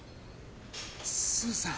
スーさん。